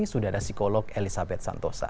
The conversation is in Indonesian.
sudah ada psikolog elizabeth santosa